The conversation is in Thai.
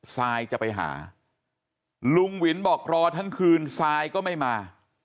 ซายจะไปหาลุงวินบอกรอทั้งคืนซายก็ไม่มา